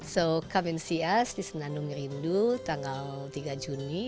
so come and see us di senandung rindu tanggal tiga juni